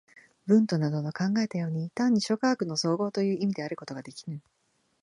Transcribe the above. ヴントなどの考えたように、単に諸科学の綜合という意味であることができぬ。